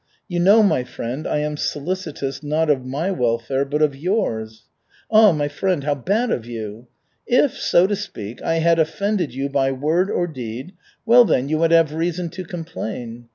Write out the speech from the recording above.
You know, my friend, I am solicitous not of my welfare, but of yours. Ah, my friend, how bad of you! If, so to speak, I had offended you by word or deed, well, then you would have reason to complain.